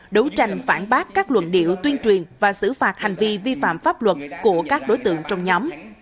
đấu tranh phản bác các luận điệu tuyên truyền và xử phạt hành vi vi phạm pháp luật của các đối tượng trong nhóm